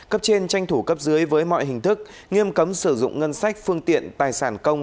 cấp trên tranh thủ cấp dưới với mọi hình thức nghiêm cấm sử dụng ngân sách phương tiện tài sản công